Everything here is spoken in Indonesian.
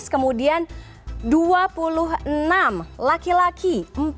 kemudian dua puluh enam laki laki